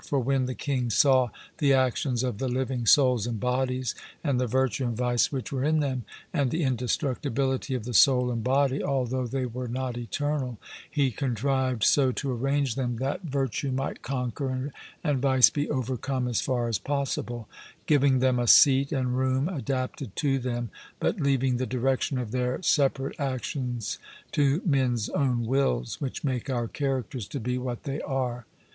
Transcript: For when the king saw the actions of the living souls and bodies, and the virtue and vice which were in them, and the indestructibility of the soul and body (although they were not eternal), he contrived so to arrange them that virtue might conquer and vice be overcome as far as possible; giving them a seat and room adapted to them, but leaving the direction of their separate actions to men's own wills, which make our characters to be what they are.